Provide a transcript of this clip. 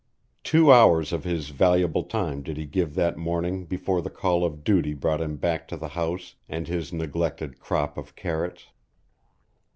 Two hours of his valuable time did he give that morning before the call of duty brought him back to the house and his neglected crop of carrots.